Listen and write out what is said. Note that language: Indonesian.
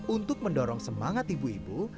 untuk mendorong semangat ibu ibu